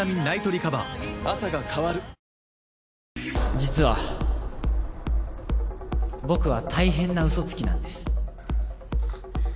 実は僕は大変なウソつきなんです。